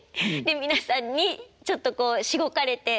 皆さんにちょっとこうしごかれて。